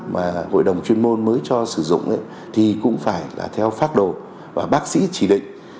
mà hội đồng chuyên môn mới cho sử dụng thì cũng phải là theo phác đồ và bác sĩ chỉ định